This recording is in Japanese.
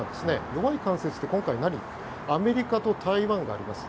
弱い関節って、今回何かというとアメリカと台湾があります。